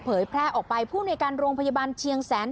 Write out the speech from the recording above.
แพร่ออกไปผู้ในการโรงพยาบาลเชียงแสน